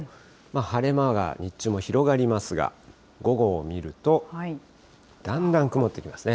晴れ間が日中も広がりますが、午後を見ると、だんだん曇ってきますね。